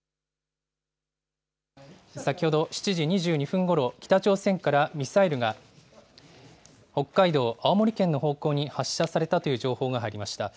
先ほど、７時２２分ごろ、北朝鮮からミサイルが、北海道、青森県の方向に発射されたという情報が入りました。